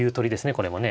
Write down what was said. これもね。